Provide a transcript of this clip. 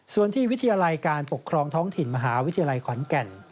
ส่วนที่วิทยาลัยการปกครองท้องถิ่นมหาวิทยาลัยขอนแก่น